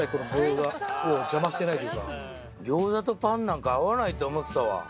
餃子とパンなんか合わないと思ってたわ。